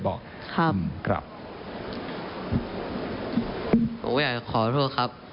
ก็อยากจะขอโทษครับ